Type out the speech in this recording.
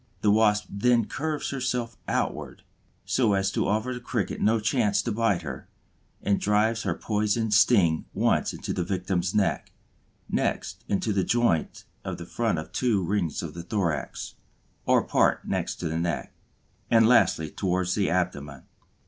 The Wasp then curves herself outward so as to offer the Cricket no chance to bite her, and drives her poisoned sting once into the victim's neck, next into the joint of the front two rings of the thorax, or part next the neck, and lastly towards the abdomen.